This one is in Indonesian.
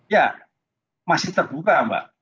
ya masih terbuka mbak